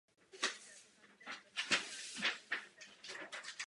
Maroko postoupilo do třetí fáze díky hodu mincí.